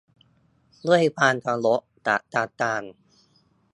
ด้วยความเคารพ จากซาตาน